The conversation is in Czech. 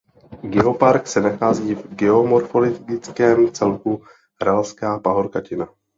Geopark se nachází v geomorfologickém celku Ralská pahorkatina.